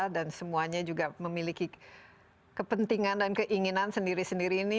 dan semuanya juga memiliki kepentingan dan keinginan sendiri sendiri ini